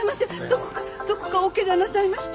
どこかどこかおケガなさいました？